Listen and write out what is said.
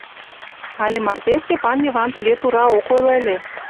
Але марте Стапан Йыван тыге тура ок ойло ыле.